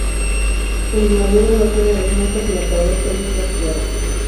El inmaduro no tiene las manchas en la cabeza y es más claro.